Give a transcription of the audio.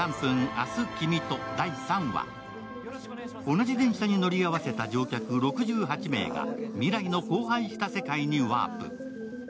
同じ電車に乗り合わせた乗客６８名が未来の荒廃した世界にワープ。